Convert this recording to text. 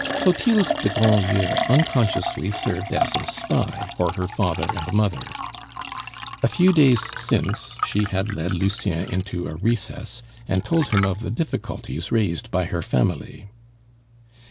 Clotilde de Grandlieu unconsciously served as a spy for her father and mother. A few days since she had led Lucien into a recess and told him of the difficulties raised by her family.